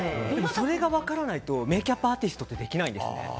それがわからないとメイクアップアーティストってできないんですね。